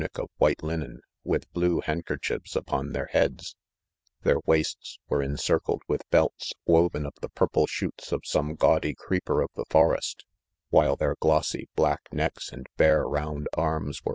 Ic of whiia Jiiien, with blue handkerchiefs upon their heads ; their waists were encircled with belts woven of the purple shoots of some gaudy creeper of the forest, while their glossy 'black necks and bare round arms were oraa *Not p.